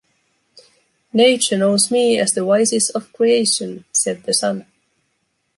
“Nature knows me as the wisest of creation,” said the sun.